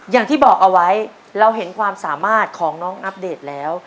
อย่างที่บอกเอาไว้เราเห็นความสามารถของน้องอัปเดตแล้ว